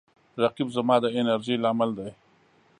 رقیب زما د انرژۍ لامل دی